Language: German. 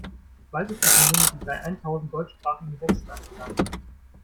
Bald ist die Community bei eintausend deutschsprachigen Sätzen angelangt.